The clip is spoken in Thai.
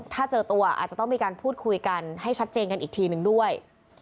ถ้าเจอตัวอาจจะต้องมีการพูดคุยกันให้ชัดเจนกันอีกทีนึงด้วย